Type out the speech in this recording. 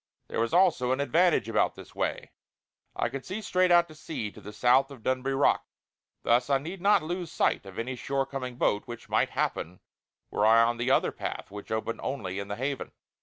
There was also an advantage about this way; I could see straight out to sea to the south of Dunbuy Rock. Thus I need not lose sight of any shore coming boat; which might happen were I on the other path which opened only in the Haven.